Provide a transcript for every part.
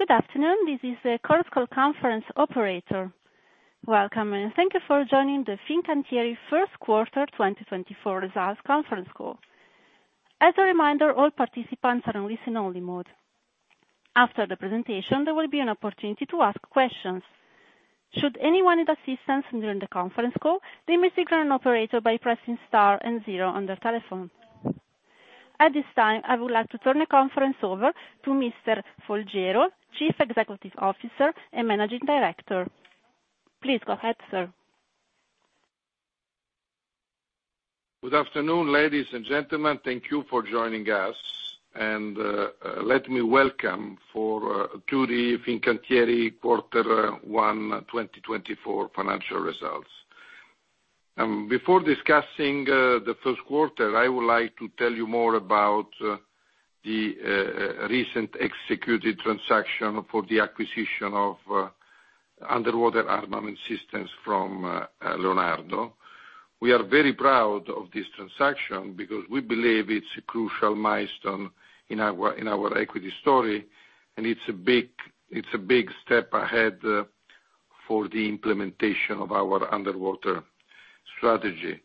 Good afternoon. This is the Chorus Call Conference Operator. Welcome, and thank you for joining the Fincantieri First Quarter 2024 Results Conference call. As a reminder, all participants are in listen-only mode. After the presentation, there will be an opportunity to ask questions. Should anyone need assistance during the conference call, they may signal an operator by pressing star and zero on their telephone. At this time, I would like to turn the conference over to Mr. Folgiero, Chief Executive Officer and Managing Director. Please go ahead, sir. Good afternoon, ladies and gentlemen. Thank you for joining us. Let me welcome you to the Fincantieri Quarter One 2024 financial results. Before discussing the first quarter, I would like to tell you more about the recent executed transaction for the acquisition of underwater armament systems from Leonardo. We are very proud of this transaction because we believe it's a crucial milestone in our equity story, and it's a big step ahead for the implementation of our underwater strategy.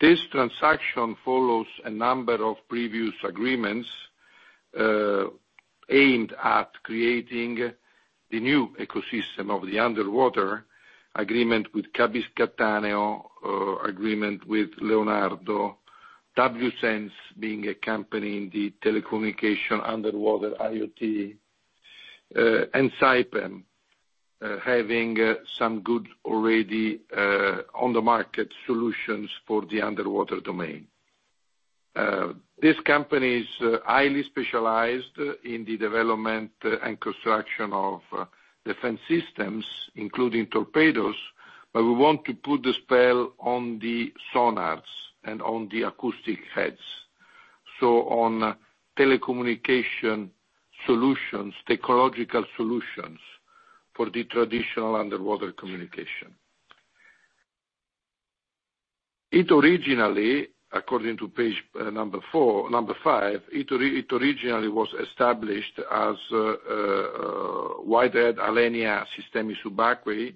This transaction follows a number of previous agreements aimed at creating the new ecosystem of the underwater: agreement with C.A.B.I. Cattaneo, agreement with Leonardo, WSense being a company in the telecommunication underwater IoT, and Saipem having some good already on-the-market solutions for the underwater domain. This company is highly specialized in the development and construction of defense systems, including torpedoes, but we want to put the spell on the sonars and on the acoustic heads, so on telecommunication solutions, technological solutions for the traditional underwater communication. It originally, according to page number 4 number 5, was established as Whitehead Alenia Sistemi Subacquei,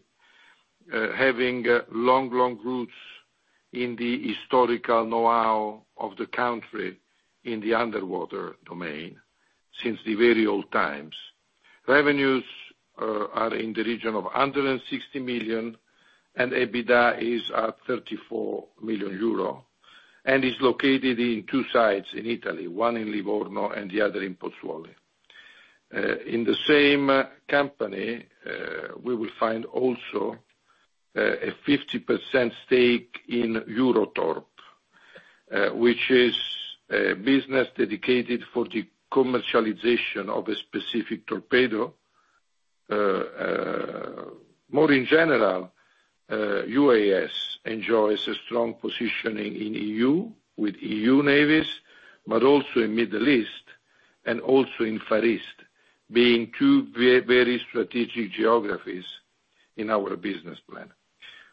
having long, long roots in the historical know-how of the country in the underwater domain since the very old times. Revenues are in the region of 160 million, and EBITDA is at 34 million euro, and is located in two sites in Italy, one in Livorno and the other in Pozzuoli. In the same company, we will find also a 50% stake in EuroTorp, which is a business dedicated for the commercialization of a specific torpedo. More in general, UAS enjoys a strong positioning in the EU with EU navies, but also in the Middle East and also in the Far East, being two very strategic geographies in our business plan.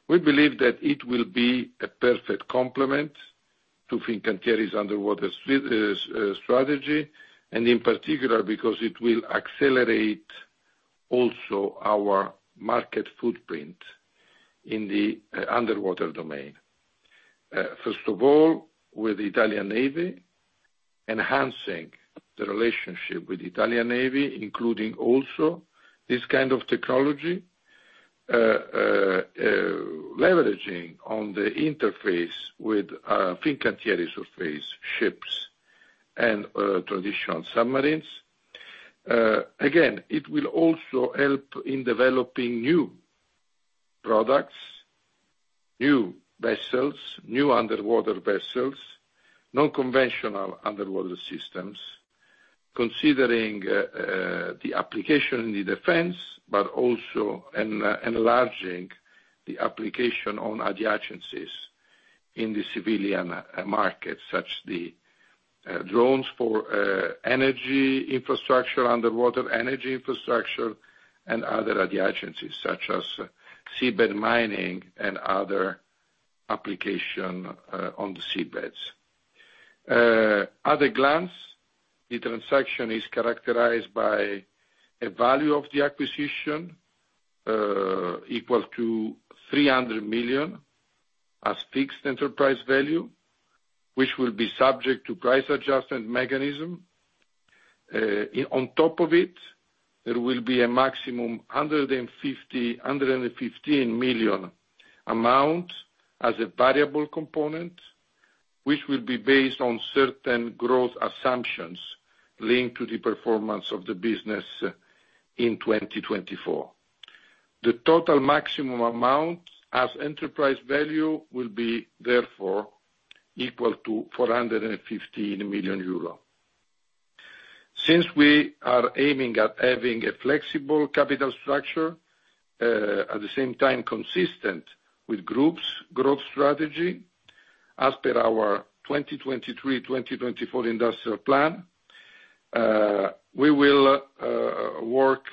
We believe that it will be a perfect complement to Fincantieri's underwater strategy, and in particular because it will accelerate also our market footprint in the underwater domain. First of all, with the Italian Navy, enhancing the relationship with the Italian Navy, including also this kind of technology, leveraging on the interface with Fincantieri's surface ships and traditional submarines. Again, it will also help in developing new products, new vessels, new underwater vessels, non-conventional underwater systems, considering the application in the defense, but also enlarging the application on adjacency in the civilian market, such as the drones for energy infrastructure, underwater energy infrastructure, and other adjacency such as seabed mining and other applications on the seabeds. At a glance, the transaction is characterized by a value of the acquisition equal to 300 million as fixed enterprise value, which will be subject to price adjustment mechanism. On top of it, there will be a maximum 115 million amount as a variable component, which will be based on certain growth assumptions linked to the performance of the business in 2024. The total maximum amount as enterprise value will be, therefore, equal to 415 million euro. Since we are aiming at having a flexible capital structure, at the same time consistent with group's growth strategy as per our 2023-2024 industrial plan, we will work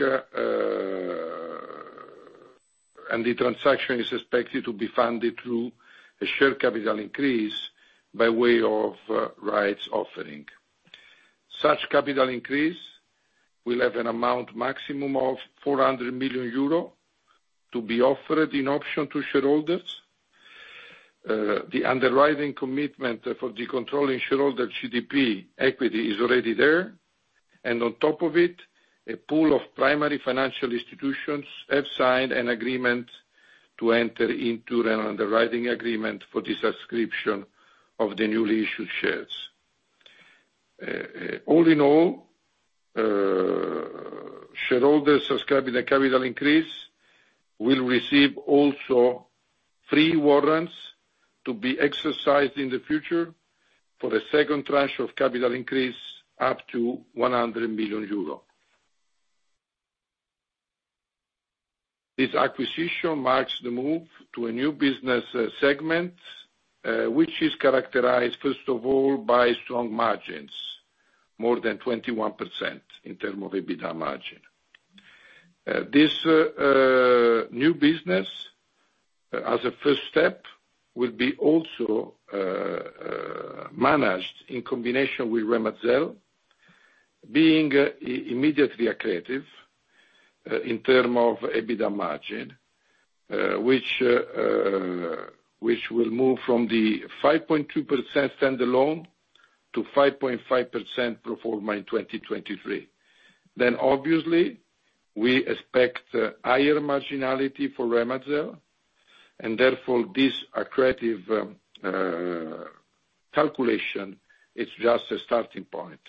and the transaction is expected to be funded through a share capital increase by way of rights offering. Such capital increase will have an amount maximum of 400 million euro to be offered in option to shareholders. The underwriting commitment for the controlling shareholder CDP Equity is already there, and on top of it, a pool of primary financial institutions have signed an agreement to enter into an underwriting agreement for the subscription of the newly issued shares. All in all, shareholders subscribing to the capital increase will receive also free warrants to be exercised in the future for a second tranche of capital increase up to 100 million euro. This acquisition marks the move to a new business segment, which is characterized, first of all, by strong margins, more than 21% in terms of EBITDA margin. This new business, as a first step, will be also managed in combination with Remazel, being immediately accretive in terms of EBITDA margin, which will move from the 5.2% standalone to 5.5% pro forma in 2023. Then, obviously, we expect higher marginality for Remazel, and therefore this accretive calculation, it's just a starting point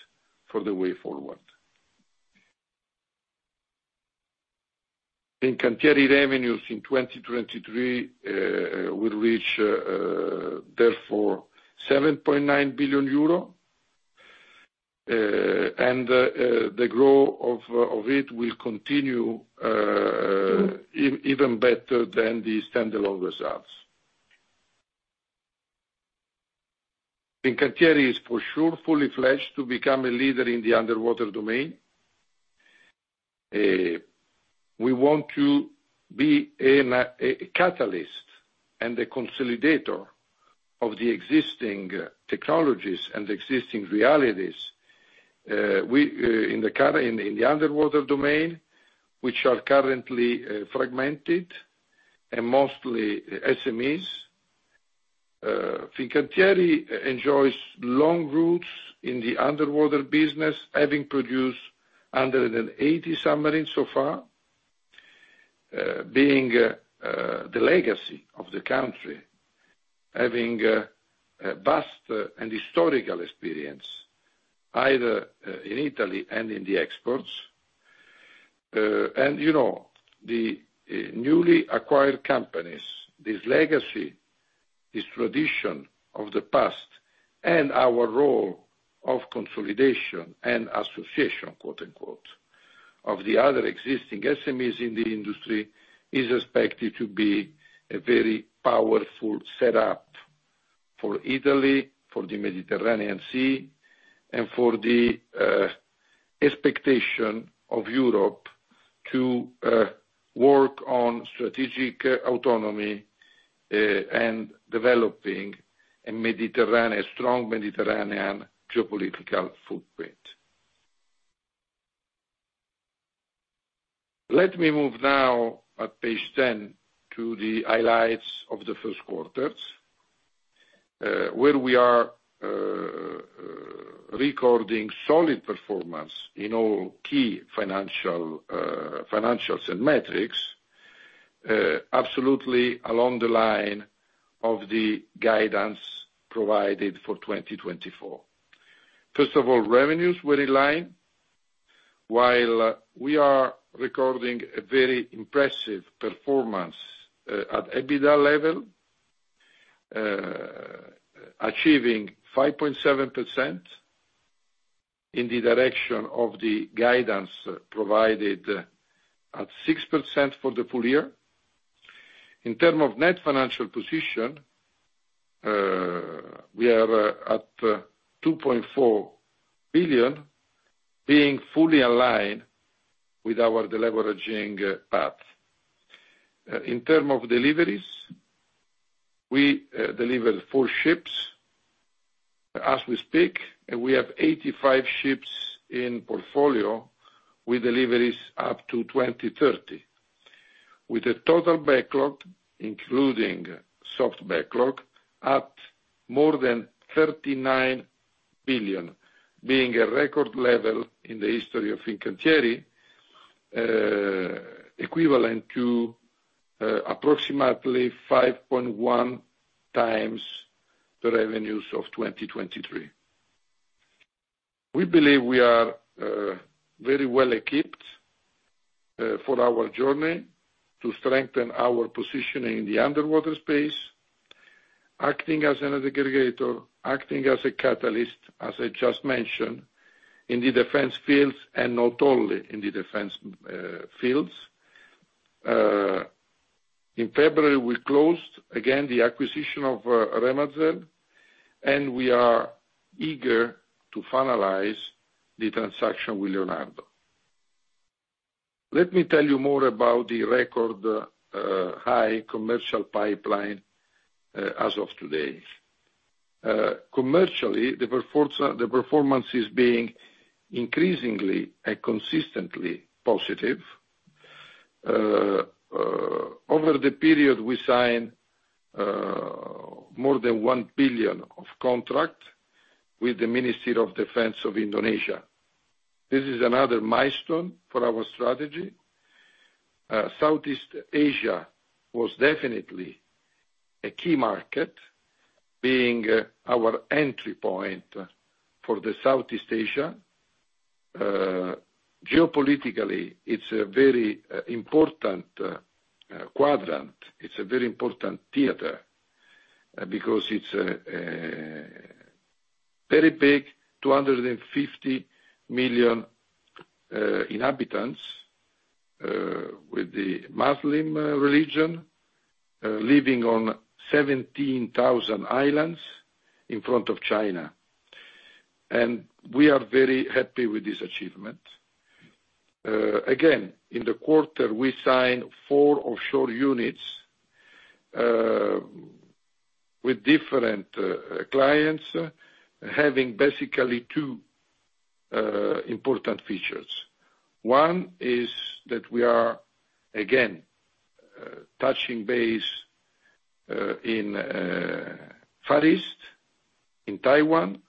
for the way forward. Fincantieri revenues in 2023 will reach, therefore, 7.9 billion euro, and the growth of it will continue even better than the standalone results. Fincantieri is for sure fully fledged to become a leader in the underwater domain. We want to be a catalyst and a consolidator of the existing technologies and existing realities, we in the underwater domain, which are currently fragmented and mostly SMEs. Fincantieri enjoys long roots in the underwater business, having produced 180 submarines so far, being the legacy of the country, having vast and historical experience either in Italy and in the exports. And, you know, the newly acquired companies, this legacy, this tradition of the past, and our role of consolidation and association, quote-unquote, of the other existing SMEs in the industry is expected to be a very powerful setup for Italy, for the Mediterranean Sea, and for the expectation of Europe to work on strategic autonomy, and developing a Mediterranean strong Mediterranean geopolitical footprint. Let me move now to page 10 to the highlights of the first quarter, where we are recording solid performance in all key financials and metrics, absolutely along the line of the guidance provided for 2024. First of all, revenues were in line. While we are recording a very impressive performance at EBITDA level, achieving 5.7% in the direction of the guidance provided at 6% for the full year. In terms of net financial position, we are at 2.4 billion, being fully aligned with our deleveraging path. In terms of deliveries, we delivered 4 ships as we speak, and we have 85 ships in portfolio with deliveries up to 2030, with a total backlog, including soft backlog, at more than 39 billion, being a record level in the history of Fincantieri, equivalent to approximately 5.1x the revenues of 2023. We believe we are very well equipped for our journey to strengthen our position in the underwater space, acting as an aggregator, acting as a catalyst, as I just mentioned, in the defense fields and not only in the defense fields. In February, we closed again the acquisition of Remazel, and we are eager to finalize the transaction with Leonardo. Let me tell you more about the record-high commercial pipeline as of today. Commercially, the performance is being increasingly and consistently positive. Over the period, we signed more than 1 billion of contract with the Ministry of Defense of Indonesia. This is another milestone for our strategy. Southeast Asia was definitely a key market, being our entry point for the Southeast Asia. Geopolitically, it's a very important quadrant. It's a very important theater, because it's very big, 250 million inhabitants, with the Muslim religion, living on 17,000 islands in front of China. And we are very happy with this achievement. Again, in the quarter, we signed four offshore units, with different clients, having basically two important features. One is that we are again touching base in Far East, in Taiwan,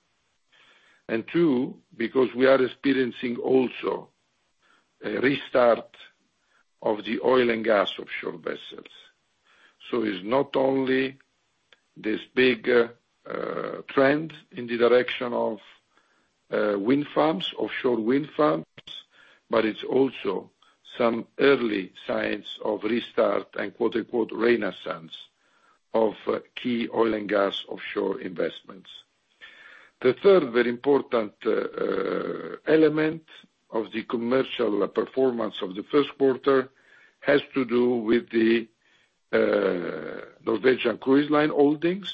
and two, because we are experiencing also a restart of the oil and gas offshore vessels. So it's not only this big trend in the direction of wind farms, offshore wind farms, but it's also some early signs of restart and quote-unquote "renaissance" of key oil and gas offshore investments. The third very important element of the commercial performance of the first quarter has to do with the Norwegian Cruise Line Holdings.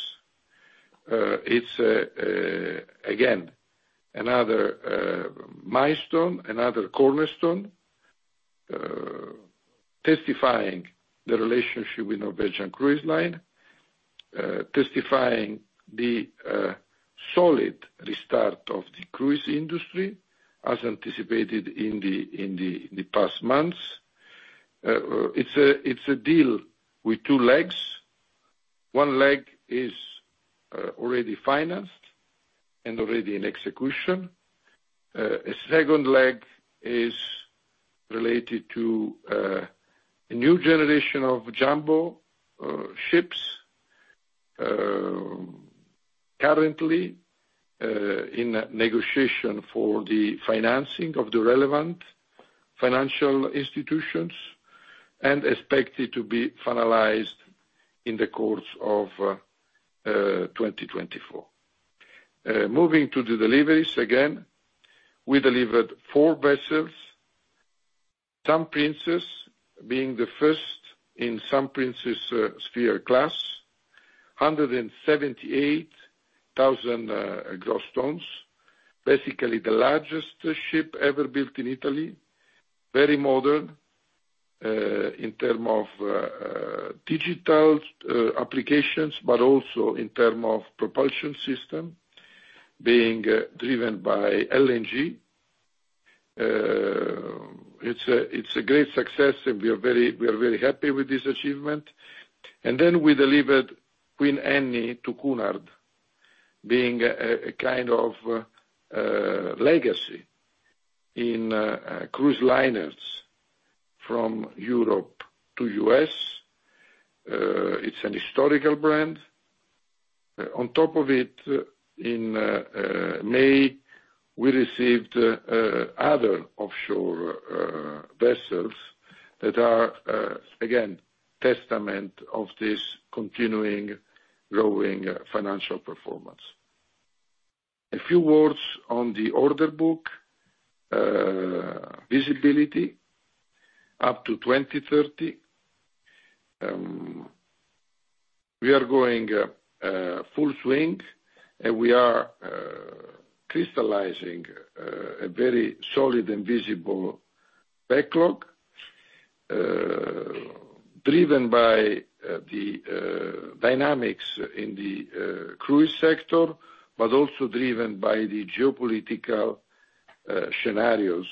It's again another milestone, another cornerstone, testifying the relationship with Norwegian Cruise Line, testifying the solid restart of the cruise industry as anticipated in the past months. It's a deal with two legs. One leg is already financed and already in execution. A second leg is related to a new generation of jumbo ships, currently in negotiation for the financing of the relevant financial institutions and expected to be finalized in the course of 2024. Moving to the deliveries, again, we delivered 4 vessels, Sun Princess being the first in the Sphere Class, 178,000 gross tons, basically the largest ship ever built in Italy, very modern in terms of digital applications, but also in terms of propulsion system, being driven by LNG. It's a great success, and we are very happy with this achievement. Then we delivered Queen Anne to Cunard, being a kind of legacy in cruise liners from Europe to the U.S. It's an historical brand. On top of it, in May, we received other offshore vessels that are again testament of this continuing growing financial performance. A few words on the order book, visibility up to 2030. We are going full swing, and we are crystallizing a very solid and visible backlog, driven by the dynamics in the cruise sector, but also driven by the geopolitical scenarios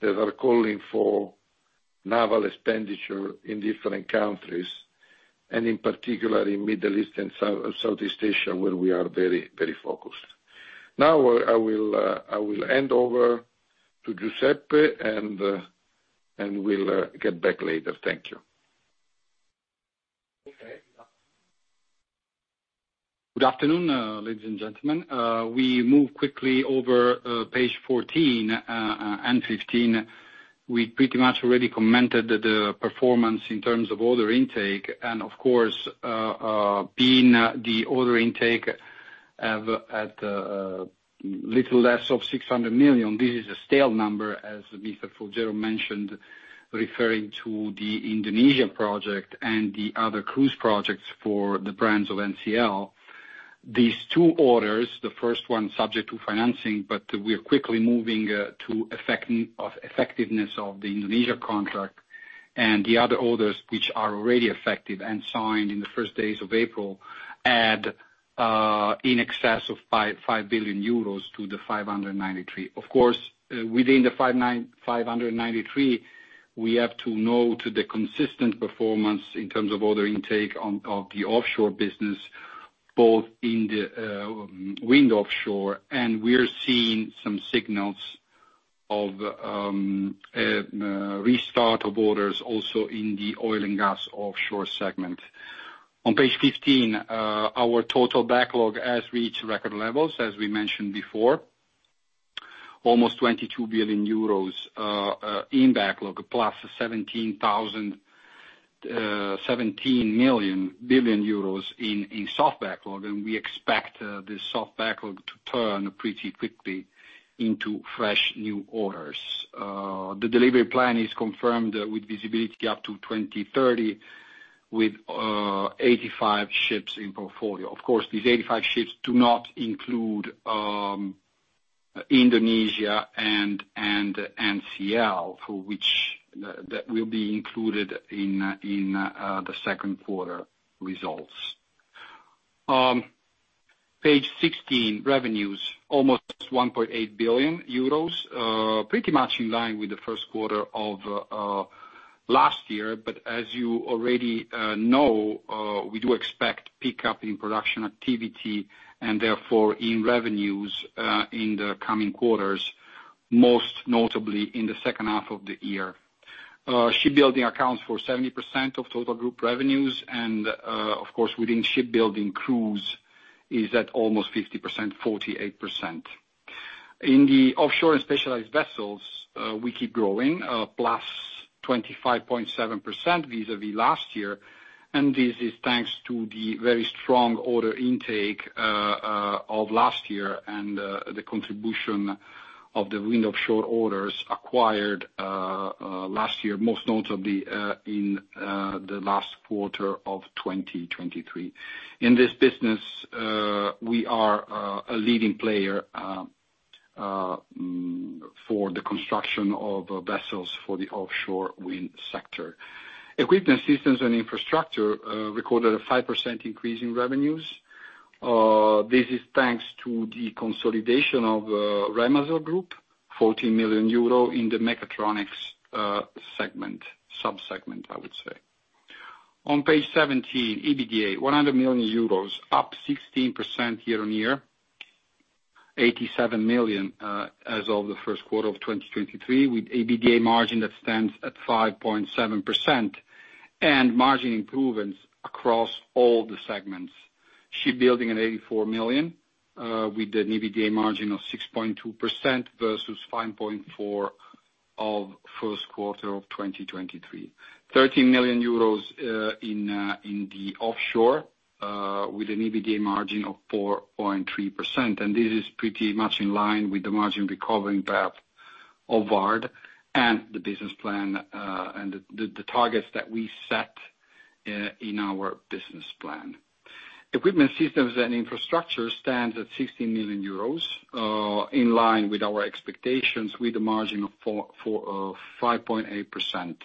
that are calling for naval expenditure in different countries, and in particular in Middle East and Southeast Asia where we are very, very focused. Now, I will hand over to Giuseppe, and we'll get back later. Thank you. Okay. Good afternoon, ladies and gentlemen. We move quickly over page 14 and 15. We pretty much already commented on the performance in terms of order intake, and of course, being the order intake of a little less than €600 million, this is a stale number, as Mr. Folgiero mentioned, referring to the Indonesia project and the other cruise projects for the brands of NCL. These two orders, the first one subject to financing, but we are quickly moving to the effectiveness of the Indonesia contract, and the other orders, which are already effective and signed in the first days of April, add in excess of €5.5 billion to the €593 million. Of course, within the €593 million, we have to note the consistent performance in terms of order intake of the offshore business, both in the wind offshore, and we are seeing some signals of a restart of orders also in the oil and gas offshore segment. On page 15, our total backlog has reached record levels, as we mentioned before, almost 22 billion euros in backlog, plus 17 billion euros in soft backlog, and we expect this soft backlog to turn pretty quickly into fresh new orders. The delivery plan is confirmed with visibility up to 2030 with 85 ships in portfolio. Of course, these 85 ships do not include Indonesia and NCL, for which that will be included in the second quarter results. Page 16, revenues almost 1.8 billion euros, pretty much in line with the first quarter of last year, but as you already know, we do expect pickup in production activity and therefore in revenues in the coming quarters, most notably in the second half of the year. Shipbuilding accounts for 70% of total group revenues, and of course, within shipbuilding, cruise is at almost 50%, 48%. In the offshore and specialized vessels, we keep growing, plus 25.7% vis-à-vis last year, and this is thanks to the very strong order intake of last year and the contribution of the wind offshore orders acquired last year, most notably in the last quarter of 2023. In this business, we are a leading player for the construction of vessels for the offshore wind sector. Equipment, systems, and infrastructure recorded a 5% increase in revenues. This is thanks to the consolidation of Remazel Group, 14 million euro in the mechatronics segment, subsegment, I would say. On page 17, EBITDA, 100 million euros, up 16% year-on-year, 87 million as of the first quarter of 2023, with EBITDA margin that stands at 5.7% and margin improvements across all the segments. Shipbuilding at 84 million, with an EBITDA margin of 6.2% versus 5.4% of first quarter of 2023. 13 million euros in the offshore, with an EBITDA margin of 4.3%, and this is pretty much in line with the margin recovery path of VARD and the business plan, and the targets that we set in our business plan. Equipment, systems, and infrastructure stands at 16 million euros, in line with our expectations, with a margin of 4.4% to 5.8%.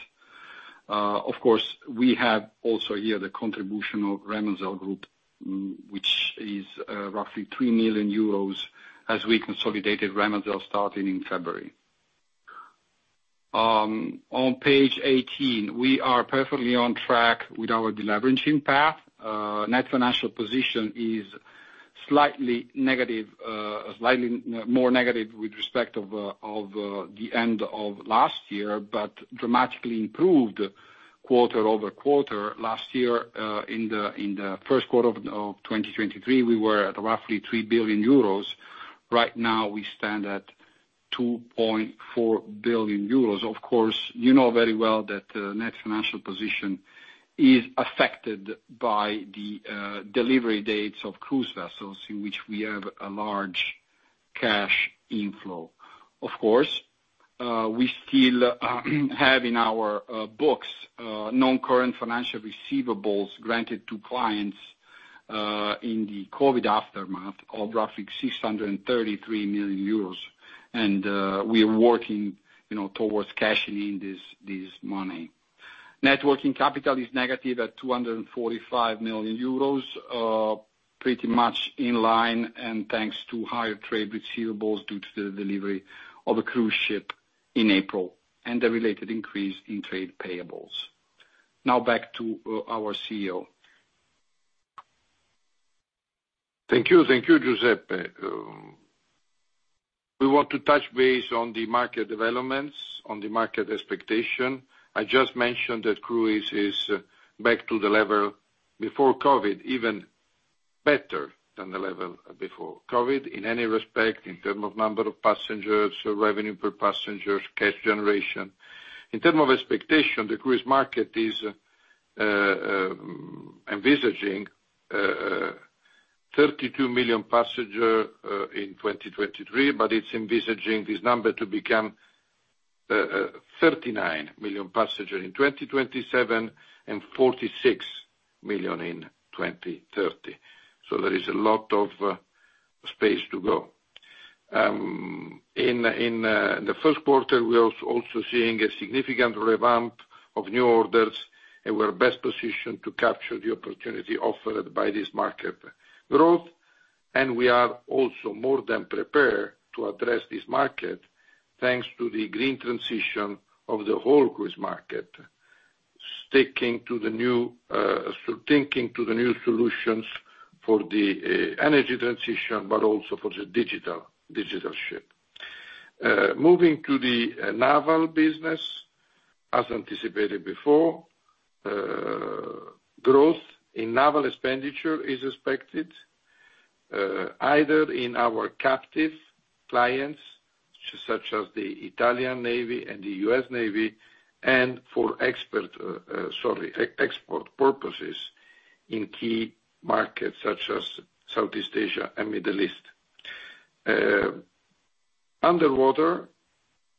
Of course, we have also here the contribution of Remazel Group, which is roughly 3 million euros as we consolidated Remazel starting in February. On page 18, we are perfectly on track with our deleveraging path. Net financial position is slightly negative, slightly more negative with respect to the end of last year, but dramatically improved quarter-over-quarter. Last year, in the first quarter of 2023, we were at roughly 3 billion euros. Right now, we stand at 2.4 billion euros. Of course, you know very well that the net financial position is affected by the delivery dates of cruise vessels in which we have a large cash inflow. Of course, we still have in our books non-current financial receivables granted to clients in the COVID aftermath of roughly 633 million euros, and we are working, you know, towards cashing in this money. Net working capital is negative at 245 million euros, pretty much in line and thanks to higher trade receivables due to the delivery of a cruise ship in April and the related increase in trade payables. Now back to our CEO. Thank you. Thank you, Giuseppe. We want to touch base on the market developments, on the market expectation. I just mentioned that cruise is back to the level before COVID, even better than the level before COVID in any respect, in terms of number of passengers, revenue per passenger, cash generation. In terms of expectation, the cruise market is envisaging 32 million passengers in 2023, but it's envisaging this number to become 39 million passengers in 2027 and 46 million in 2030. So there is a lot of space to go. In the first quarter, we are also seeing a significant revamp of new orders, and we are best positioned to capture the opportunity offered by this market growth, and we are also more than prepared to address this market thanks to the green transition of the whole cruise market, sticking to the new thinking to the new solutions for the energy transition, but also for the digital ship. Moving to the naval business, as anticipated before, growth in naval expenditure is expected, either in our captive clients, such as the Italian Navy and the US Navy, and for export purposes in key markets such as Southeast Asia and Middle East. Underwater,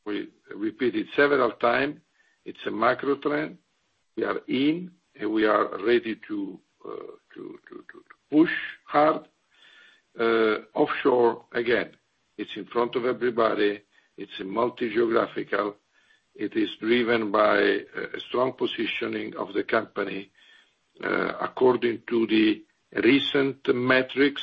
we repeated several times, it's a macro trend. We are in, and we are ready to push hard. Offshore, again, it's in front of everybody. It's a multi-geographical. It is driven by a strong positioning of the company. According to the recent metrics,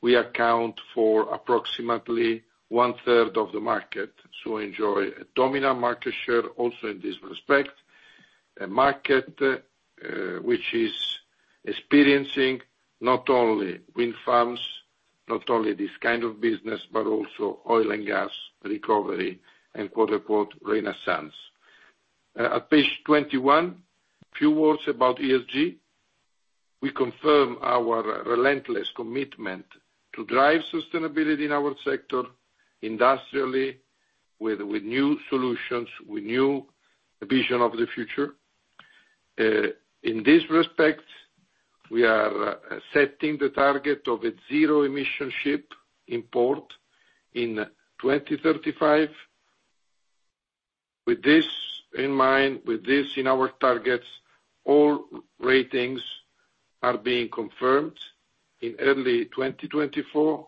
we account for approximately one-third of the market, so enjoy a dominant market share also in this respect, a market, which is experiencing not only wind farms, not only this kind of business, but also oil and gas recovery and, quote-unquote, renaissance. At page 21, a few words about ESG. We confirm our relentless commitment to drive sustainability in our sector industrially with new solutions, with new vision of the future. In this respect, we are setting the target of a zero-emission ship import in 2035. With this in mind, with this in our targets, all ratings are being confirmed in early 2024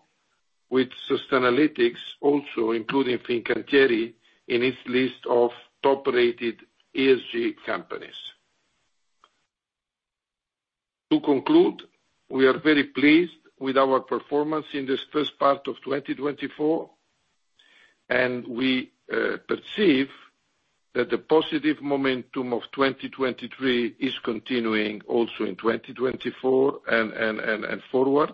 with Sustainalytics also including Fincantieri in its list of top-rated ESG companies. To conclude, we are very pleased with our performance in this first part of 2024, and we perceive that the positive momentum of 2023 is continuing also in 2024 and forward.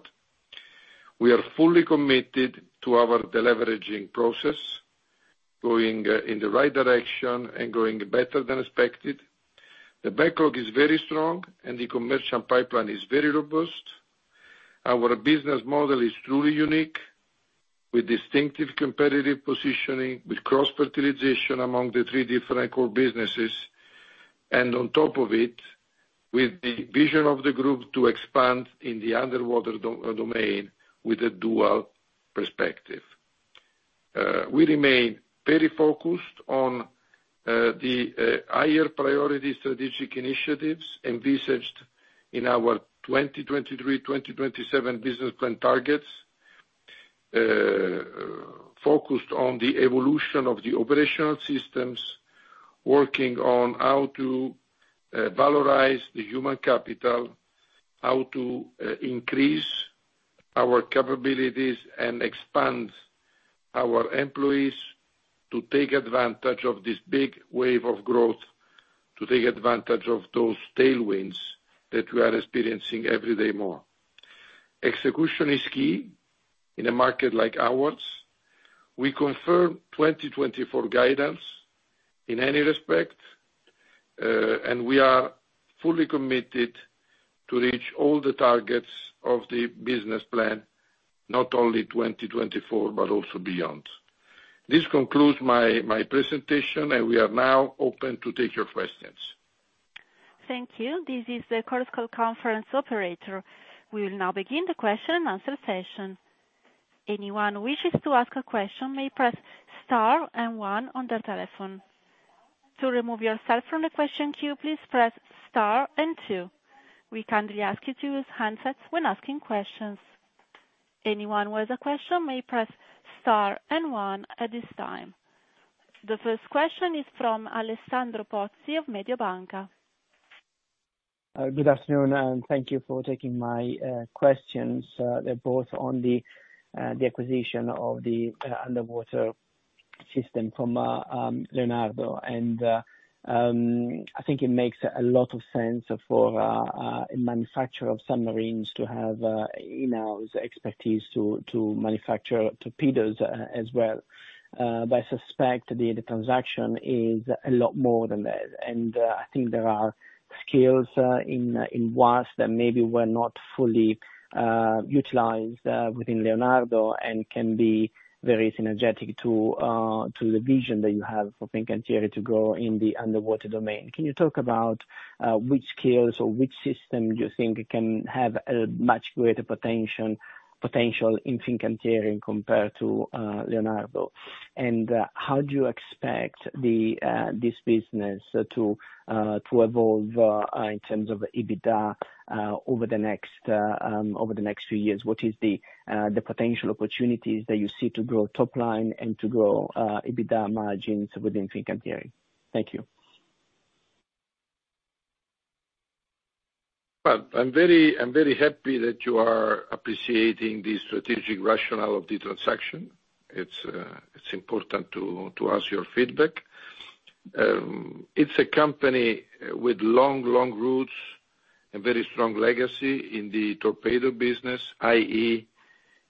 We are fully committed to our deleveraging process, going in the right direction and going better than expected. The backlog is very strong, and the commercial pipeline is very robust. Our business model is truly unique with distinctive competitive positioning, with cross-fertilization among the three different core businesses, and on top of it, with the vision of the group to expand in the underwater domain with a dual perspective. We remain very focused on, the, higher priority strategic initiatives envisaged in our 2023-2027 business plan targets, focused on the evolution of the operational systems, working on how to, valorize the human capital, how to, increase our capabilities and expand our employees to take advantage of this big wave of growth, to take advantage of those tailwinds that we are experiencing every day more. Execution is key in a market like ours. We confirm 2024 guidance in any respect, and we are fully committed to reach all the targets of the business plan, not only 2024 but also beyond. This concludes my presentation, and we are now open to take your questions. Thank you. This is the conference operator. We will now begin the question and answer session. Anyone who wishes to ask a question may press star and one on their telephone. To remove yourself from the question queue, please press star and two. We kindly ask you to use handsets when asking questions. Anyone with a question may press star and one at this time. The first question is from Alessandro Pozzi of Mediobanca. Good afternoon, and thank you for taking my questions. They're both on the acquisition of the underwater system from Leonardo, and I think it makes a lot of sense for a manufacturer of submarines to have in-house expertise to manufacture torpedoes as well. But I suspect the transaction is a lot more than that, and I think there are skills in WASS that maybe were not fully utilized within Leonardo and can be very synergetic to the vision that you have for Fincantieri to grow in the underwater domain. Can you talk about which skills or which system do you think can have a much greater potential in Fincantieri compared to Leonardo? And how do you expect this business to evolve in terms of EBITDA over the next few years? What is the potential opportunities that you see to grow topline and to grow EBITDA margins within Fincantieri? Thank you. Well, I'm very happy that you are appreciating the strategic rationale of the transaction. It's important to ask your feedback. It's a company with long, long roots and very strong legacy in the torpedo business, i.e.,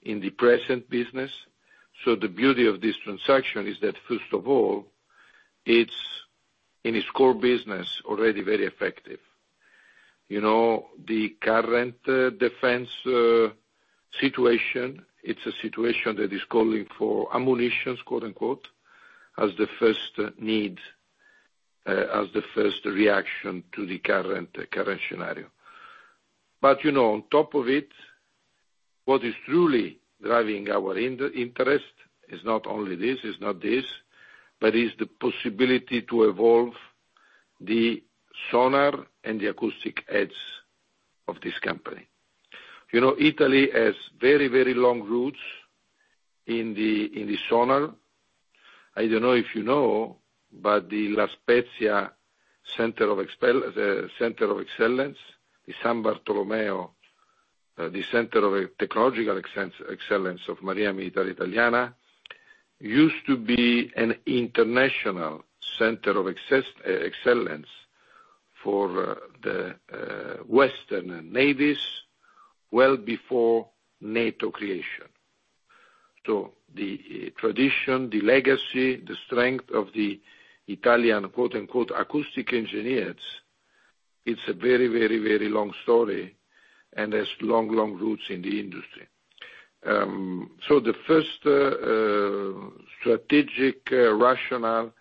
in the present business. So the beauty of this transaction is that, first of all, it's, in its core business, already very effective. You know, the current defense situation, it's a situation that is calling for "ammunitions," quote-unquote, as the first need, as the first reaction to the current, current scenario. But, you know, on top of it, what is truly driving our interest is not only this, it's not this, but is the possibility to evolve the sonar and the acoustic heads of this company. You know, Italy has very, very long roots in the sonar. I don't know if you know, but the La Spezia Center of Excellence, Center of Excellence, the San Bartolomeo, the Center of Technological Excellence of Marina Militare Italiana, used to be an international center of excellence for the Western navies well before NATO creation. So the tradition, the legacy, the strength of the Italian, quote-unquote, "acoustic engineers," it's a very, very, very long story, and there's long, long roots in the industry. So the first, strategic rationale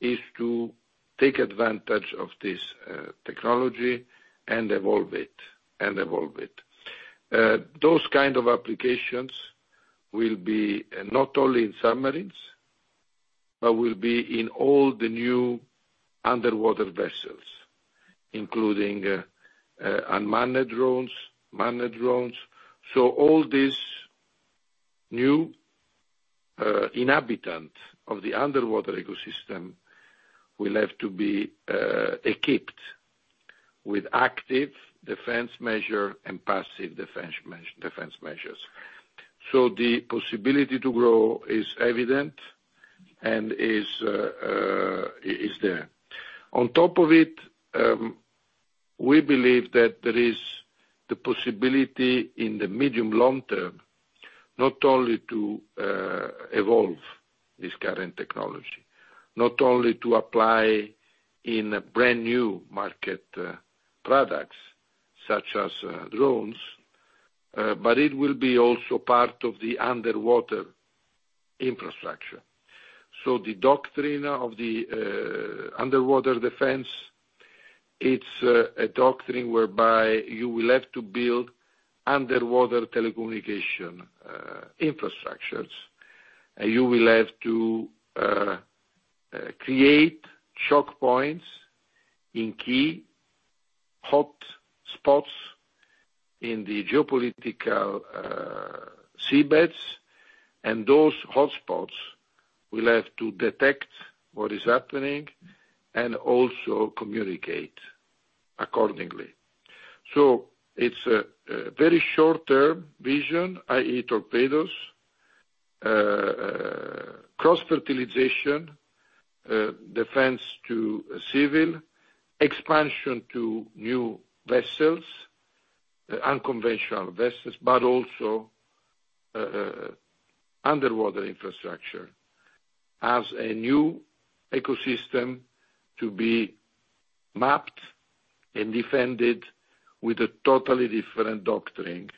is to take advantage of this, technology and evolve it and evolve it. Those kind of applications will be not only in submarines, but will be in all the new underwater vessels, including unmanned drones, manned drones. So all these new inhabitants of the underwater ecosystem will have to be equipped with active defense measure and passive defense measures. So the possibility to grow is evident and is, is there. On top of it, we believe that there is the possibility in the medium-long term not only to evolve this current technology, not only to apply in brand new market products such as drones, but it will be also part of the underwater infrastructure. So the doctrine of the underwater defense, it's a doctrine whereby you will have to build underwater telecommunication infrastructures, and you will have to create choke points in key hot spots in the geopolitical seabeds, and those hot spots will have to detect what is happening and also communicate accordingly. So it's a very short-term vision, i.e., torpedoes, cross-fertilization, defense to civil, expansion to new vessels, unconventional vessels, but also underwater infrastructure as a new ecosystem to be mapped and defended with a totally different doctrine,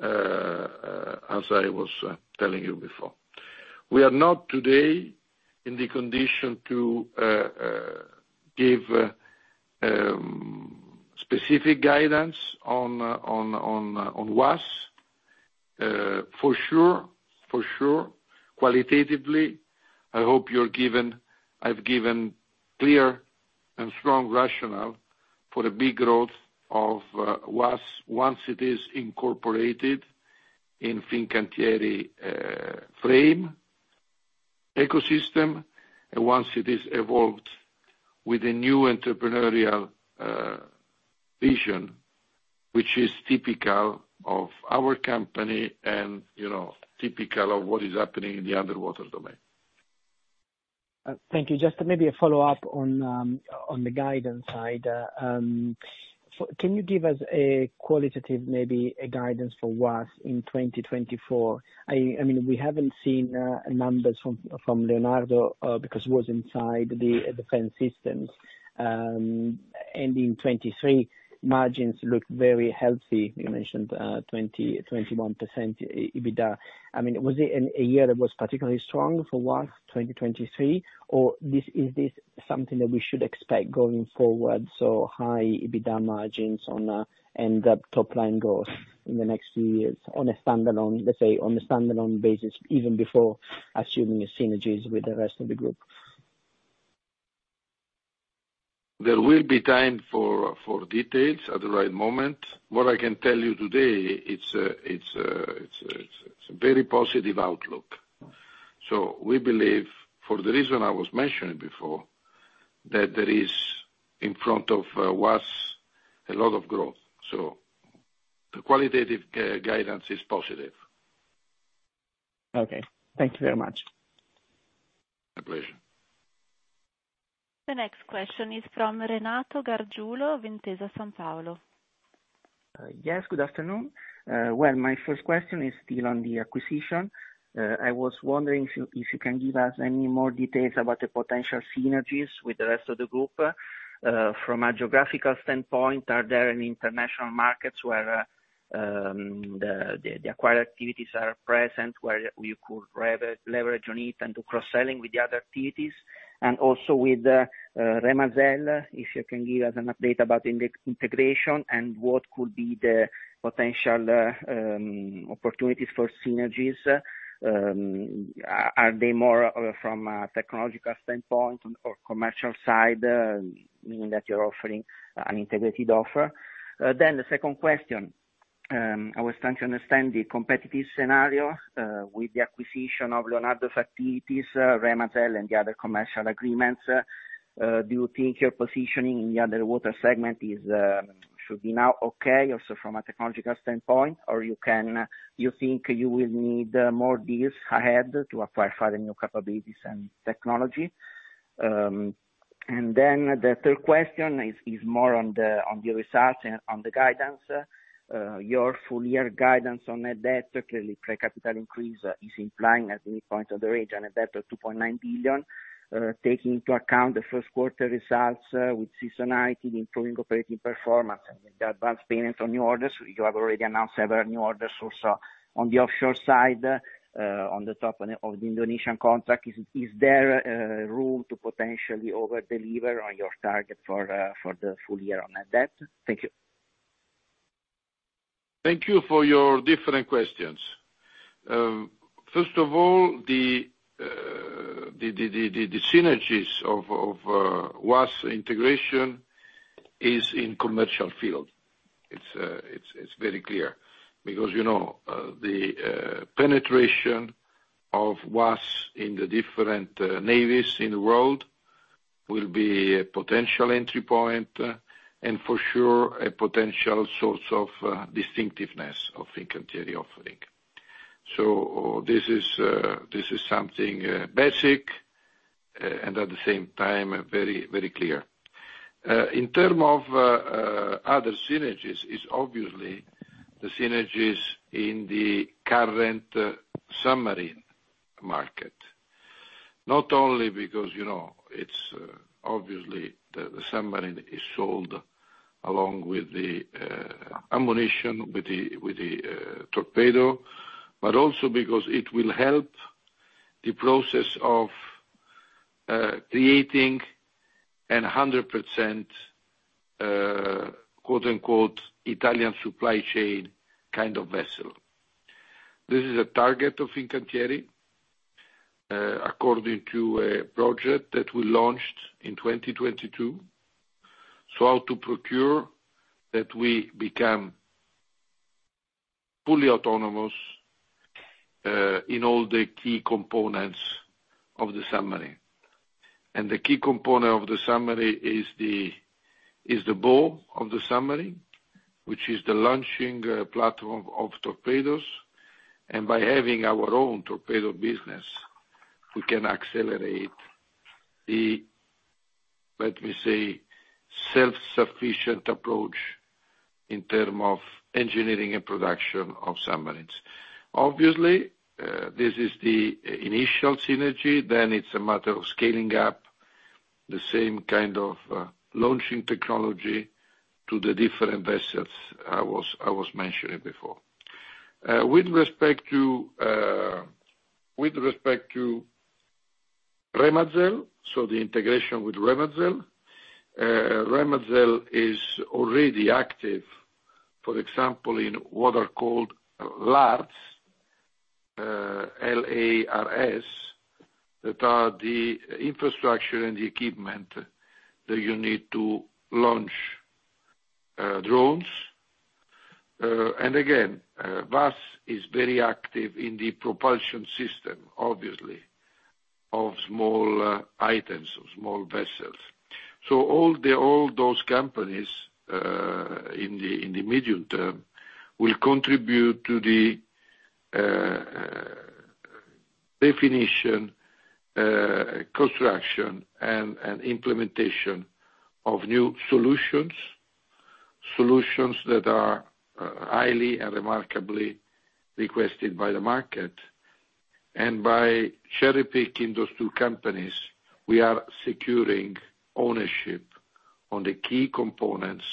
as I was telling you before. We are not today in the condition to give specific guidance on what for sure qualitatively. I hope you're given I've given clear and strong rationale for the big growth of what once it is incorporated in Fincantieri frame ecosystem, and once it is evolved with a new entrepreneurial vision, which is typical of our company and, you know, typical of what is happening in the underwater domain. Thank you. Just maybe a follow-up on the guidance side. Can you give us a qualitative, maybe, a guidance for what in 2024? I mean, we haven't seen numbers from Leonardo, because he was inside the defense systems. And in 2023, margins looked very healthy. You mentioned 20%-21% EBITDA. I mean, was it a year that was particularly strong for what, 2023, or is this something that we should expect going forward, so high EBITDA margins on, and topline growth in the next few years on a standalone let's say, on a standalone basis, even before assuming synergies with the rest of the group? There will be time for details at the right moment. What I can tell you today, it's a very positive outlook. So we believe, for the reason I was mentioning before, that there is in front of what a lot of growth. So the qualitative guidance is positive. Okay. Thank you very much. My pleasure. The next question is from Renato Gargiulo of Intesa Sanpaolo. Yes. Good afternoon. Well, my first question is still on the acquisition. I was wondering if you can give us any more details about the potential synergies with the rest of the group. From a geographical standpoint, are there any international markets where the acquired activities are present where you could leverage on it and do cross-selling with the other activities? And also with Remazel, if you can give us an update about integration and what could be the potential opportunities for synergies. Are they more from a technological standpoint or commercial side, meaning that you're offering an integrated offer? Then the second question. I was trying to understand the competitive scenario, with the acquisition of Leonardo's activities, Remazel, and the other commercial agreements. Do you think your positioning in the underwater segment is, should be now okay also from a technological standpoint, or you can you think you will need more deals ahead to acquire further new capabilities and technology? And then the third question is, is more on the on the results and on the guidance. Your full-year guidance on net debt, clearly pre-capital increase, is implying at any point of the region a debt of 2.9 billion, taking into account the first quarter results with seasonality, improving operating performance, and the advanced payment on new orders. You have already announced several new orders also on the offshore side, on the top of the of the Indonesian contract. Is there room to potentially over-deliver on your target for, for the full year on net debt? Thank you. Thank you for your different questions. First of all, the synergies of WASS integration is in the commercial field. It's very clear because, you know, the penetration of what in the different navies in the world will be a potential entry point and for sure a potential source of distinctiveness of Fincantieri offering. So, this is something basic, and at the same time very, very clear. In terms of other synergies, it's obviously the synergies in the current submarine market, not only because, you know, it's obviously the submarine is sold along with the ammunition with the torpedo, but also because it will help the process of creating a 100%, quote-unquote, "Italian supply chain" kind of vessel. This is a target of Fincantieri, according to a project that we launched in 2022, so how to procure that we become fully autonomous, in all the key components of the submarine. And the key component of the submarine is the bow of the submarine, which is the launching platform of torpedoes. And by having our own torpedo business, we can accelerate the, let me say, self-sufficient approach in terms of engineering and production of submarines. Obviously, this is the initial synergy. Then it's a matter of scaling up the same kind of launching technology to the different vessels I was mentioning before, with respect to Remazel. So the integration with Remazel, Remazel is already active, for example, in what are called LARS, L-A-R-S, that are the infrastructure and the equipment that you need to launch drones. And again, WASS is very active in the propulsion system, obviously, of small items of small vessels. So all those companies, in the medium term will contribute to the definition, construction, and implementation of new solutions, solutions that are highly and remarkably requested by the market. And by cherry-picking those two companies, we are securing ownership on the key components,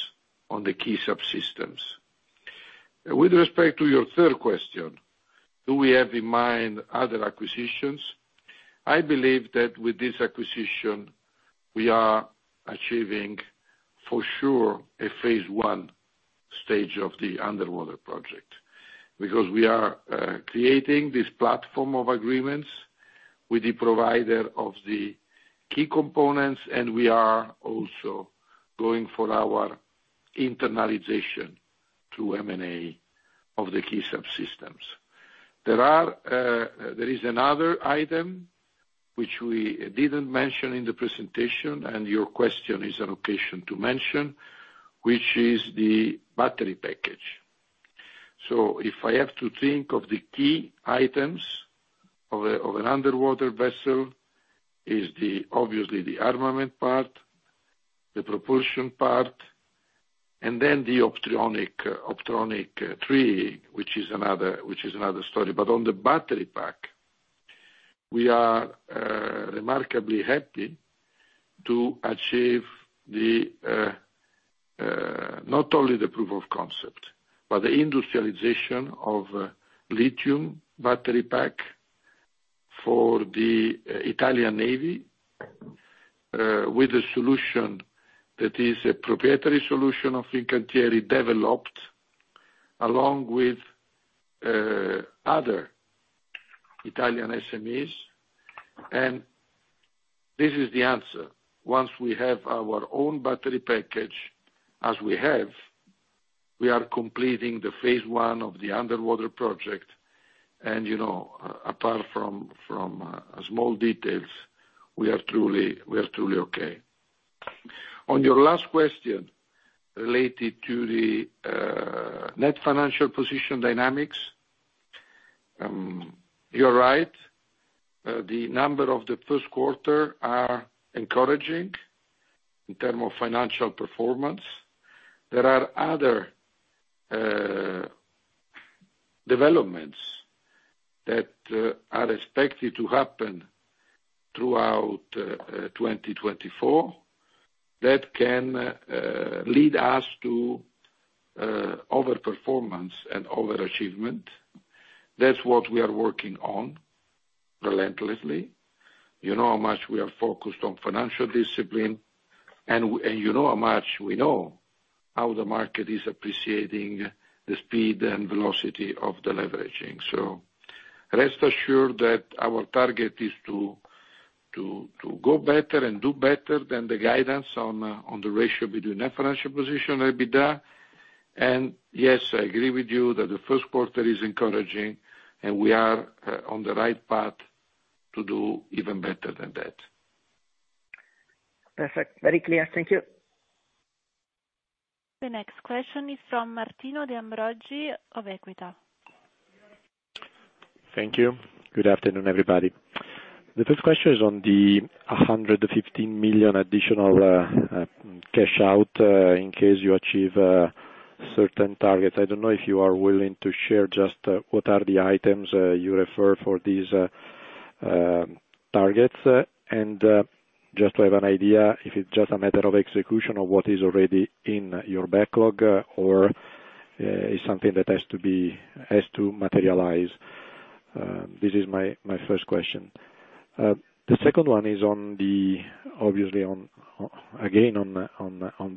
on the key subsystems. With respect to your third question, do we have in mind other acquisitions? I believe that with this acquisition, we are achieving for sure a phase one stage of the underwater project because we are creating this platform of agreements with the provider of the key components, and we are also going for our internalization through M&A of the key subsystems. There is another item which we didn't mention in the presentation, and your question is an occasion to mention, which is the battery package. If I have to think of the key items of an underwater vessel, it's obviously the armament part, the propulsion part, and then the optronic tree, which is another story. On the battery pack, we are remarkably happy to achieve not only the proof of concept, but the industrialization of a lithium battery pack for the Italian Navy, with a solution that is a proprietary solution of Fincantieri developed along with other Italian SMEs. This is the answer. Once we have our own battery package, as we have, we are completing the phase one of the underwater project. You know, apart from small details, we are truly okay. On your last question related to the Net Financial Position dynamics, you're right. The number of the first quarter are encouraging in terms of financial performance. There are other developments that are expected to happen throughout 2024 that can lead us to overperformance and overachievement. That's what we are working on relentlessly. You know how much we are focused on financial discipline, and we and you know how much we know how the market is appreciating the speed and velocity of the leveraging. So rest assured that our target is to go better and do better than the guidance on the ratio between Net Financial Position and EBITDA. And yes, I agree with you that the first quarter is encouraging, and we are on the right path to do even better than that. Perfect. Very clear. Thank you. The next question is from Martino De Ambroggi of Equita. Thank you. Good afternoon, everybody. The first question is on the 115 million additional cash out in case you achieve certain targets. I don't know if you are willing to share just what are the items you refer for these targets. And just to have an idea, if it's just a matter of execution or what is already in your backlog or is something that has to materialize. This is my first question. The second one is on the obviously on again on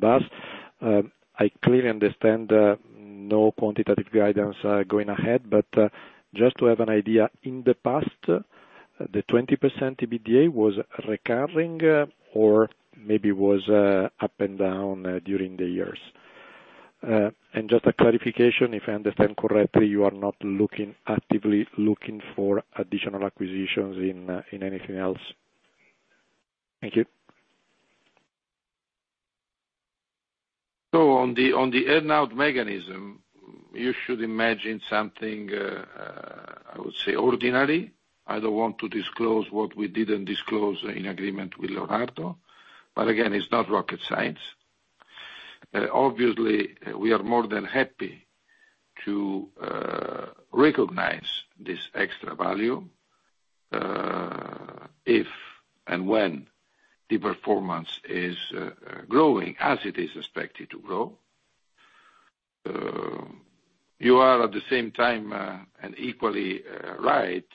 what. I clearly understand no quantitative guidance going ahead, but just to have an idea, in the past, the 20% EBITDA was recurring or maybe was up and down during the years. And just a clarification, if I understand correctly, you are not actively looking for additional acquisitions in anything else? Thank you. So on the earn-out mechanism, you should imagine something, I would say ordinary. I don't want to disclose what we didn't disclose in agreement with Leonardo, but again, it's not rocket science. Obviously, we are more than happy to recognize this extra value, if and when the performance is growing as it is expected to grow. You are at the same time, and equally, right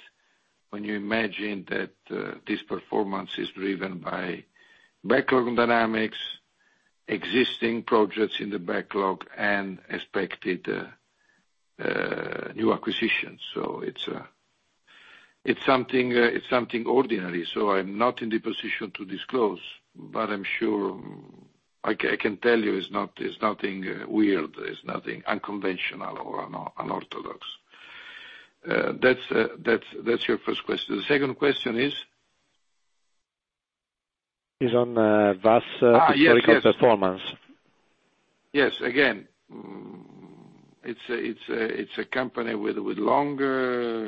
when you imagine that this performance is driven by backlog dynamics, existing projects in the backlog, and expected new acquisitions. So it's something ordinary. So I'm not in the position to disclose, but I'm sure I can tell you it's nothing weird. It's nothing unconventional or unorthodox. That's your first question. The second question is? It's on WASS the historical performance? Yes. Again it's a company with long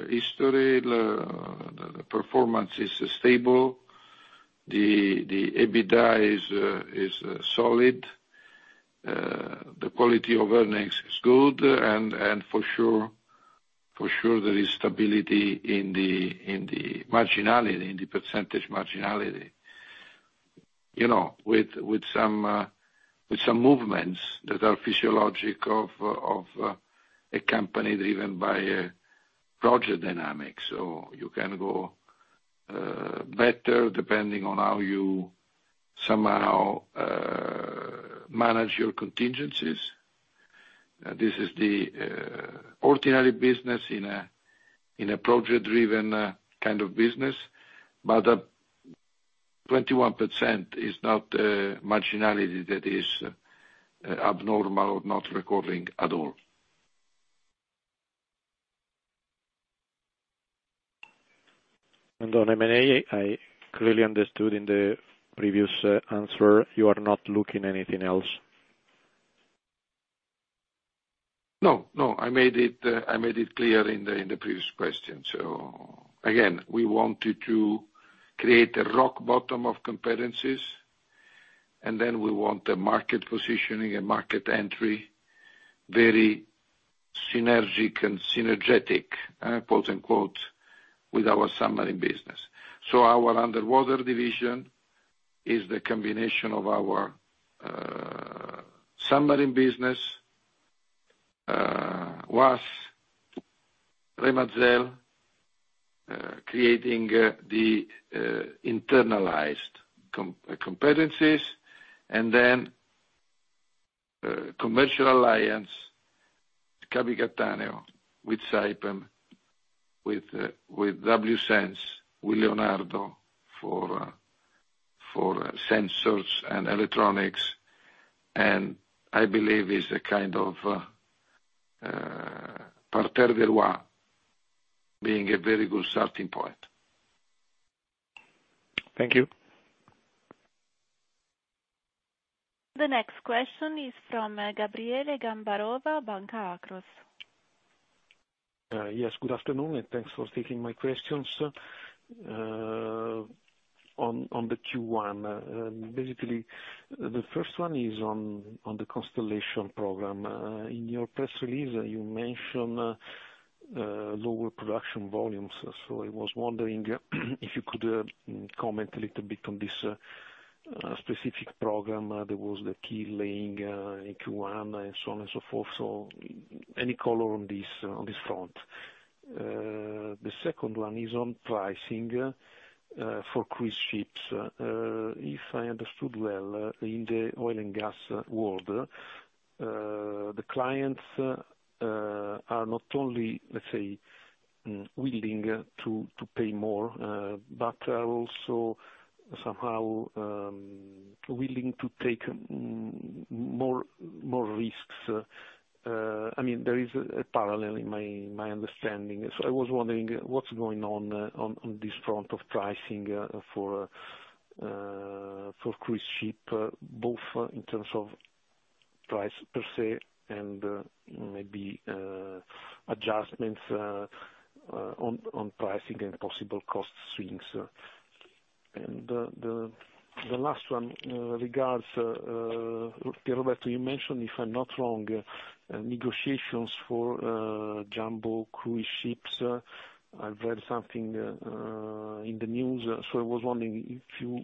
history. The performance is stable. The EBITDA is solid. The quality of earnings is good. And for sure, for sure, there is stability in the marginality, in the percentage marginality, you know, with some movements that are physiological of a company driven by project dynamics. So you can go better depending on how you somehow manage your contingencies. This is the ordinary business in a project-driven kind of business, but 21% is not a marginality that is abnormal or not recurring at all. And on M&A, I clearly understood in the previous answer you are not looking at anything else. No, no. I made it clear in the previous question. So again, we wanted to create a rock bottom of competencies, and then we want a market positioning, a market entry very synergic and synergetic, quote-unquote, with our submarine business. So our underwater division is the combination of our submarine business, what, Remazel, creating the internalized competencies, and then commercial alliance, C.A.B.I. Cattaneo with Saipem, with WSense, with Leonardo for sensors and electronics, and I believe it's a kind of parterre de roi being a very good starting point. Thank you. The next question is from Gabriele Gambarova, Banca Akros. Yes. Good afternoon, and thanks for taking my questions on the Q1. Basically, the first one is on the Constellation Program. In your press release, you mentioned lower production volumes. So, I was wondering if you could comment a little bit on this specific program that was the keel laying in Q1 and so on and so forth, so any color on this front. The second one is on pricing for cruise ships. If I understood well, in the oil and gas world, the clients are not only, let's say, willing to pay more, but are also somehow willing to take more risks. I mean, there is a parallel in my understanding. So, I was wondering what's going on on this front of pricing for cruise ship, both in terms of price per se and maybe adjustments on pricing and possible cost swings. And the last one regards Pierroberto. You mentioned, if I'm not wrong, negotiations for jumbo cruise ships. I've read something in the news. So I was wondering if you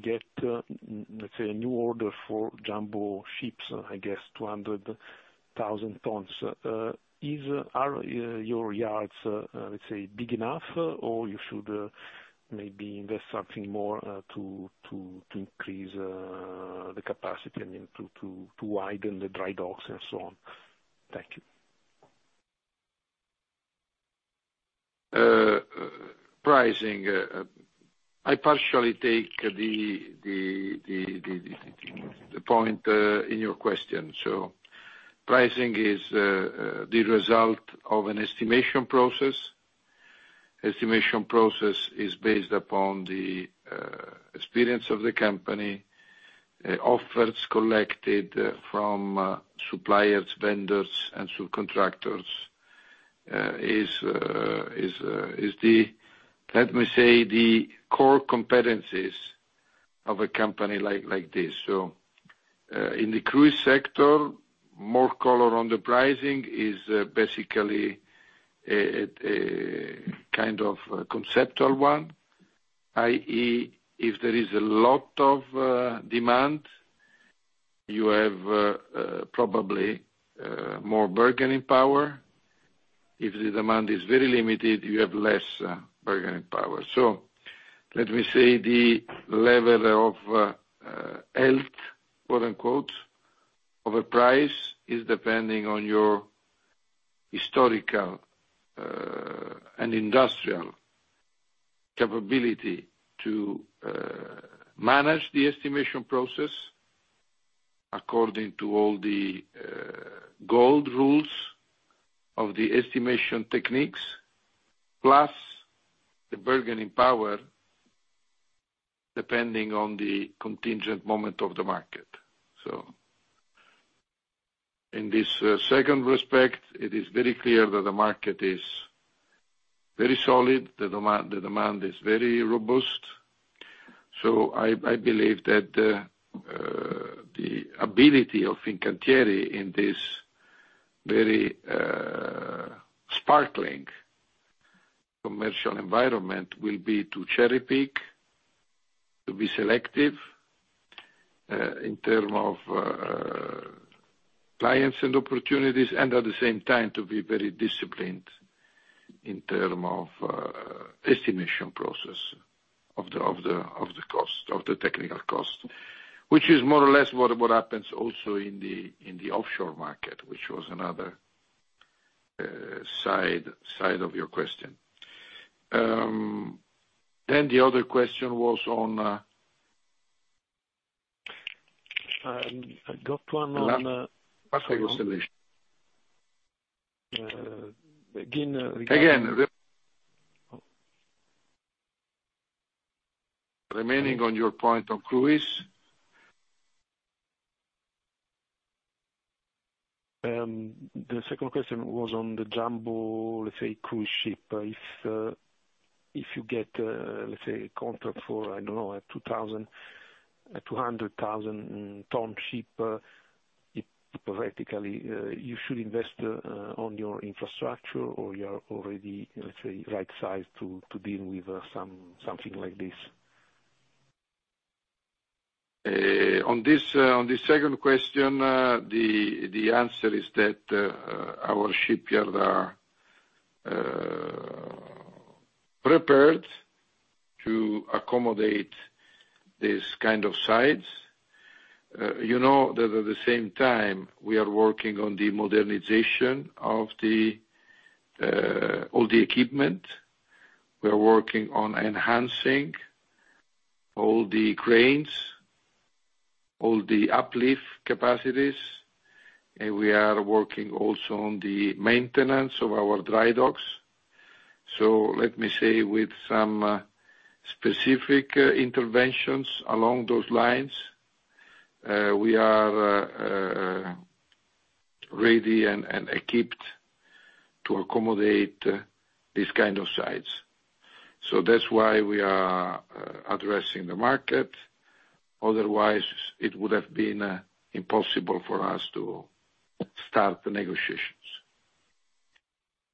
get, let's say, a new order for jumbo ships, I guess, 200,000 tons. Are your yards, let's say, big enough, or you should maybe invest something more to increase the capacity, I mean, to widen the dry docks and so on? Thank you. Pricing. I partially take the point in your question. So pricing is the result of an estimation process. Estimation process is based upon the experience of the company, offers collected from suppliers, vendors, and subcontractors. It's the, let me say, the core competencies of a company like this. So in the cruise sector, more color on the pricing is basically a kind of conceptual one, i.e., if there is a lot of demand, you have probably more bargaining power. If the demand is very limited, you have less bargaining power. So let me say the level of "health" of a price is depending on your historical and industrial capability to manage the estimation process according to all the gold rules of the estimation techniques, plus the bargaining power depending on the contingent moment of the market. So in this second respect, it is very clear that the market is very solid. The demand is very robust. So I believe that the ability of Fincantieri in this very sparkling commercial environment will be to cherry-pick, to be selective in terms of clients and opportunities, and at the same time to be very disciplined in terms of estimation process of the cost, of the technical cost, which is more or less what happens also in the offshore market, which was another side of your question. Then the other question was on what's the negotiation? Again, regarding remaining on your point on cruise. The second question was on the jumbo, let's say, cruise ship. If you get, let's say, a contract for, I don't know, a 200,000-ton ship, hypothetically, you should invest on your infrastructure or you are already, let's say, right-sized to deal with something like this? On this second question, the answer is that our shipyards are prepared to accommodate this kind of size. You know that at the same time, we are working on the modernization of all the equipment. We are working on enhancing all the cranes, all the uplift capacities, and we are working also on the maintenance of our dry docks. So let me say, with some specific interventions along those lines, we are ready and equipped to accommodate this kind of size. So that's why we are addressing the market. Otherwise, it would have been impossible for us to start the negotiations.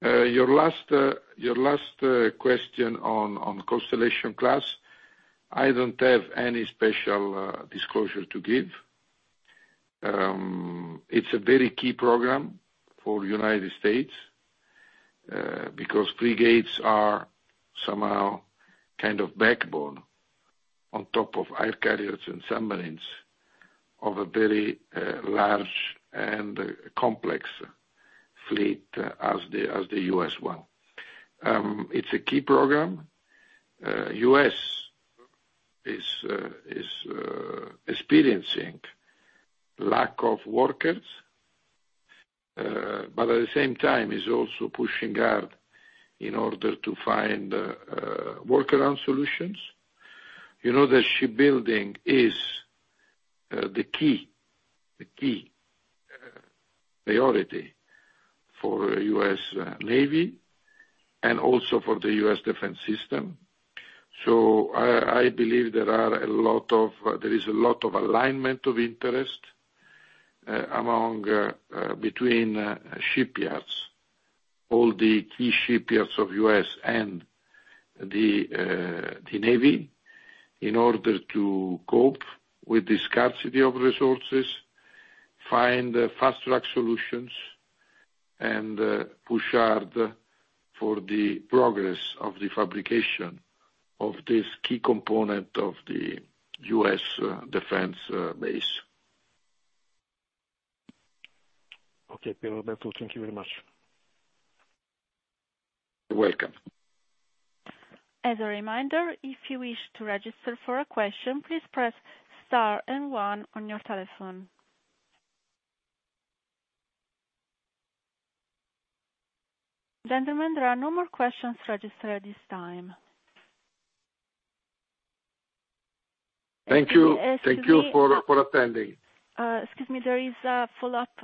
Your last question on Constellation Class, I don't have any special disclosure to give. It's a very key program for the United States because frigates are somehow kind of backbone on top of air carriers and submarines of a very large and complex fleet as the U.S. one. It's a key program. U.S. is experiencing lack of workers, but at the same time, is also pushing hard in order to find workaround solutions. The shipbuilding is the key priority for the US Navy and also for the U.S. defense system. So I believe there is a lot of alignment of interest between shipyards, all the key shipyards of the U.S. and the Navy, in order to cope with the scarcity of resources, find fast-track solutions, and push hard for the progress of the fabrication of this key component of the U.S. defense base. Okay, Pierroberto, thank you very much. You're welcome. As a reminder, if you wish to register for a question, please press star and one on your telephone. Gentlemen, there are no more questions registered at this time. Thank you. Thank you for attending. Excuse me, there is a follow-up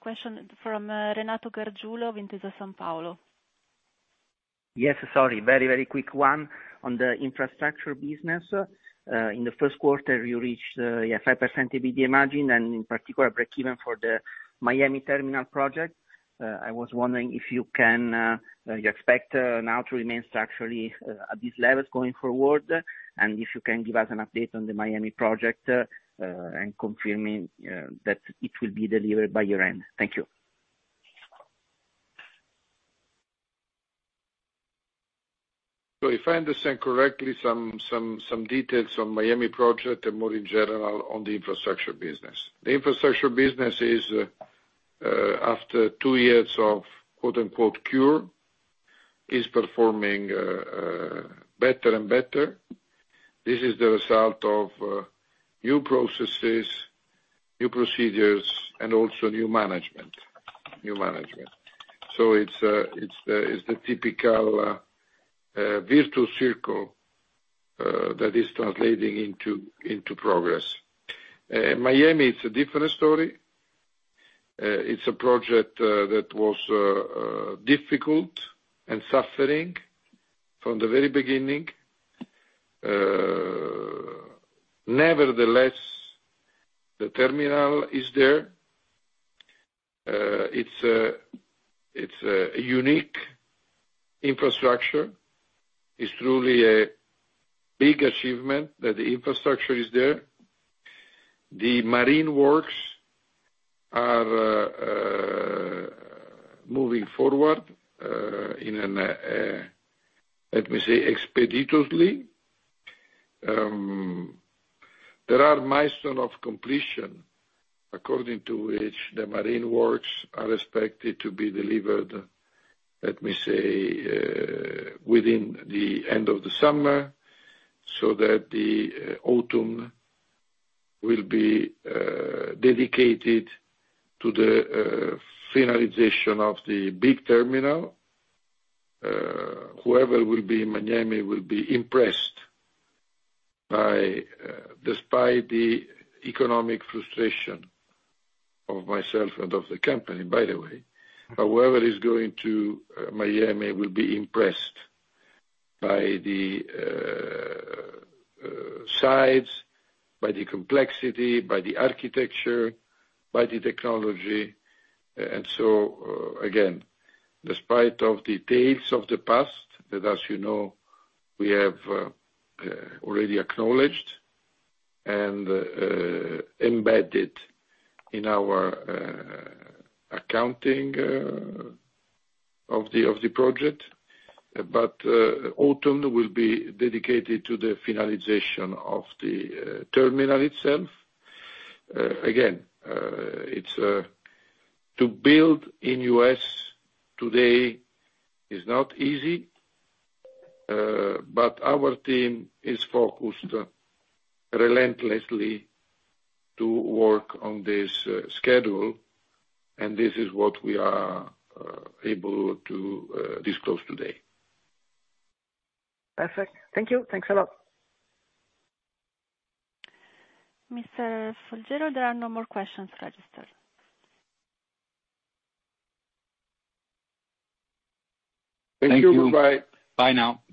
question from Renato Gargiulo of Intesa Sanpaolo. Yes, sorry. Very, very quick one. On the infrastructure business, in the first quarter, you reached 5% EBITDA margin, and in particular, break-even for the Miami terminal project. I was wondering if you can you expect now to remain structurally at these levels going forward, and if you can give us an update on the Miami project and confirming that it will be delivered by your end. Thank you. So if I understand correctly, some details on Miami project and more in general on the infrastructure business. The infrastructure business is, after two years of "cure," is performing better and better. This is the result of new processes, new procedures, and also new management. So it's the typical virtuous circle that is translating into progress. Miami, it's a different story. It's a project that was difficult and suffering from the very beginning. Nevertheless, the terminal is there. It's a unique infrastructure. It's truly a big achievement that the infrastructure is there. The marine works are moving forward in an, let me say, expeditiously. There are milestones of completion according to which the marine works are expected to be delivered, let me say, within the end of the summer so that the autumn will be dedicated to the finalization of the big terminal. Whoever will be in Miami will be impressed despite the economic frustration of myself and of the company, by the way. However, whoever is going to Miami will be impressed by the size, by the complexity, by the architecture, by the technology. And so, again, despite the tales of the past that, as you know, we have already acknowledged and embedded in our accounting of the project, but autumn will be dedicated to the finalization of the terminal itself. Again, to build in U.S. today is not easy, but our team is focused relentlessly to work on this schedule, and this is what we are able to disclose today. Perfect. Thank you. Thanks a lot. Mr. Folgiero, there are no more questions registered. Thank you. Bye. Thank you. Bye now.